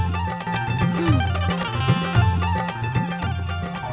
ia kaya biasa banget